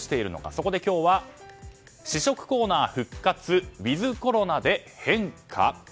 そこで今日は試食コーナー復活ｗｉｔｈコロナで変化！？